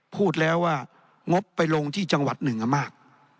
พูดแล้วว่างบไปลงที่จังหวัดหนึ่งมาก